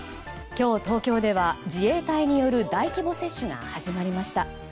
今日、東京では自衛隊による大規模接種が始まりました。